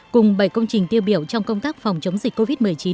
cùng bảy công trình tiêu biểu trong công tác phòng chống dịch covid một mươi chín